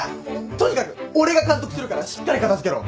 とにかく俺が監督するからしっかり片付けろ。